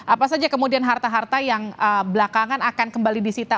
apa saja kemudian harta harta yang belakangan akan kembali disita